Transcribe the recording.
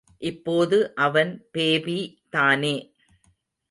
இப்போது அவன் பேபி தானே.